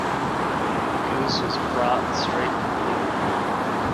The goose was brought straight from the old market.